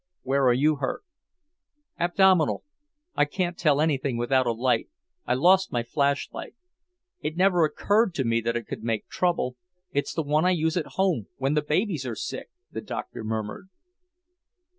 "Where are you hurt?" "Abdominal. I can't tell anything without a light. I lost my flash light. It never occurred to me that it could make trouble; it's one I use at home, when the babies are sick," the doctor murmured.